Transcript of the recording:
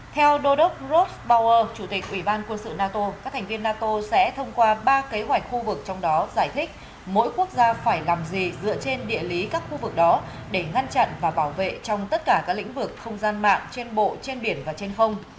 theo đô đốc ros bauer chủ tịch ủy ban quân sự nato các thành viên nato sẽ thông qua ba kế hoạch khu vực trong đó giải thích mỗi quốc gia phải làm gì dựa trên địa lý các khu vực đó để ngăn chặn và bảo vệ trong tất cả các lĩnh vực không gian mạng trên bộ trên biển và trên không